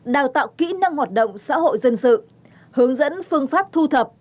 đào tạo kỹ năng hoạt động xã hội dân sự hướng dẫn phương pháp thu thập